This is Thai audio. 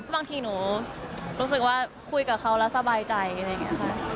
บางทีหนูรู้สึกว่าคุยกับเขาแล้วสบายใจอะไรอย่างนี้ค่ะ